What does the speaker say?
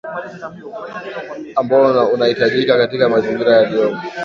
ambao unahitajika katika mazingira yaliyomo